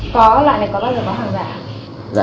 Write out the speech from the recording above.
có loại này có bao giờ có hàng giả